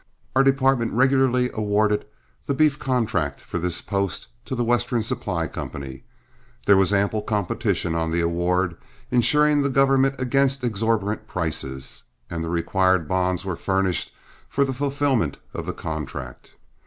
"Our department regularly awarded the beef contract for this post to The Western Supply Company. There was ample competition on the award, insuring the government against exorbitant prices, and the required bonds were furnished for the fulfillment of the contract.